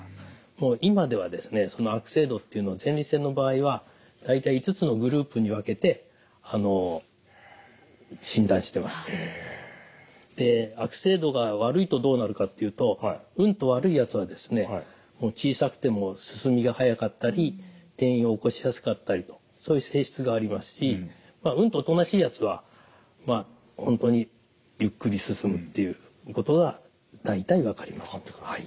もう今ではですねその悪性度っていうのは前立腺の場合はで悪性度が悪いとどうなるかっていうとうんと悪いやつはですね小さくても進みが速かったり転移を起こしやすかったりとそういう性質がありますしうんとおとなしいやつは本当にゆっくり進むっていうことが大体分かります。